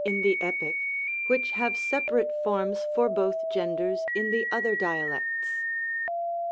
in the Epic, which have separate forms for both genders in the other Dialects.